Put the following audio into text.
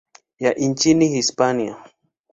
ya nchini Hispania.